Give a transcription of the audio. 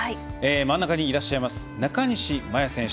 真ん中にいらっしゃいます中西麻耶選手